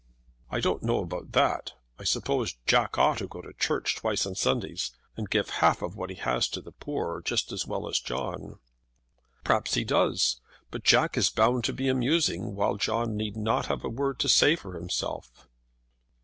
"I don't know about that. I suppose Jack ought to go to church twice on Sundays, and give half what he has to the poor, just as well as John." "Perhaps he does. But Jack is bound to be amusing, while John need not have a word to say for himself."